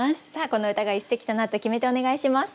この歌が一席となった決め手お願いします。